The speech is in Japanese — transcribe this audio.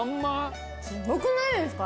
すごくないですか？